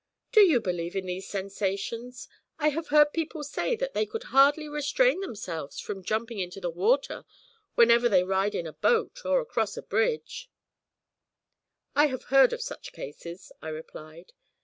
Do you believe in these sensations? I have heard people say that they could hardly restrain themselves from jumping into the water whenever they ride in a boat or cross a bridge.' 'I have heard of such cases,' I replied.